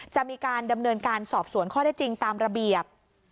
จะมีการดำเนินการสอบสวนข้อได้จริงตามระเบียบ